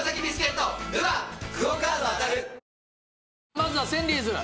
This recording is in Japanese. まずはセンリーズ。